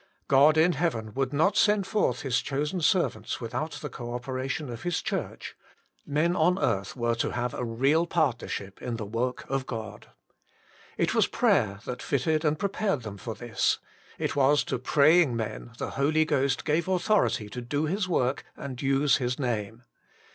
God in heaven would not send forth His chosen ser vants without the co operation of His Church ; men on earth were to have a real partnership in the work of God. It was prayer that fitted and prepared them for this ; it was to praying men the Holy Ghost gave THE MINISTRATION OF THE SPIRIT AND PRAYER 29 authority to do His work and use His name.